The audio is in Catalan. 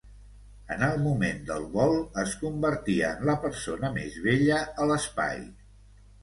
En el moment del vol, es convertia en la persona més vella a l'espai.